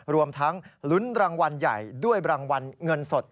รวมทั้งลุ้นรางวัลใหญ่ด้วยรางวัลเงินสด